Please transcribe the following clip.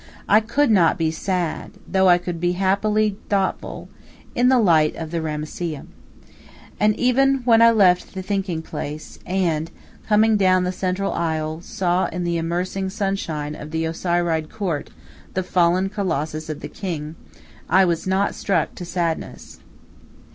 I could not be sad, though I could be happily thoughtful, in the light of the Ramesseum. And even when I left the thinking place, and, coming down the central aisle, saw in the immersing sunshine of the Osiride Court the fallen colossus of the king, I was not struck to sadness.